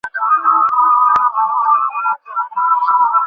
এক লাখ না, তিন লাখ চেয়েছি।